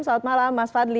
selamat malam mas fadli